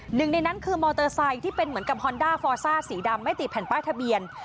หนึ่งในนั้นคือมอเตอร์ไซค์ที่เป็นเหมือนกับฮอนด้าฟอซ่าสีดำไม่ติดแผ่นป้ายทะเบียน